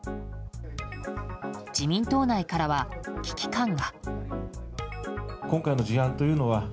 自民党内からは危機感が。